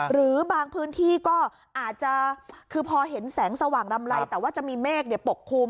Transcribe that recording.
หรือบางพื้นที่ก็อาจจะคือพอเห็นแสงสว่างรำไรแต่ว่าจะมีเมฆปกคลุม